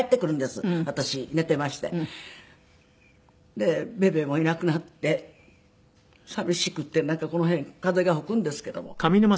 でベベもいなくなって寂しくてなんかこの辺風が吹くんですけども。